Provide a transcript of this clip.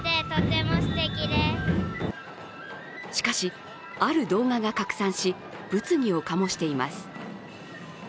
しかし、ある動画が拡散し物議を醸しています。